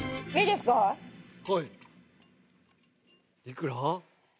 いくら？